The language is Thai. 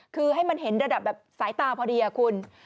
คือให้มันเห็นระดับแบบสายตาพอดีคุณ